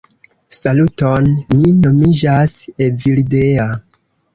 Saluton, mi nomiĝas Evildea